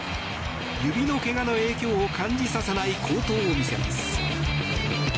指の怪我の影響を感じさせない好投を見せます。